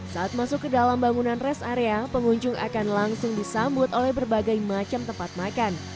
saat masuk ke dalam bangunan rest area pengunjung akan langsung disambut oleh berbagai macam tempat makan